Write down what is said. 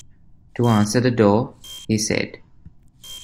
‘To answer the door?’ he said.